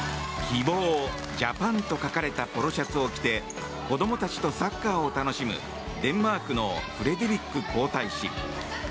「希望ジャパン」と書かれたポロシャツを着て子どもたちとサッカーを楽しむデンマークのフレデリック皇太子。